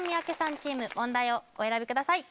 チーム問題をお選びください